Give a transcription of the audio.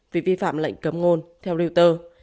vì vi phạm lệnh cấm ngôn theo reuters